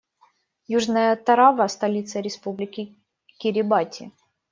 Южная Тарава - столица Республики Кирибати.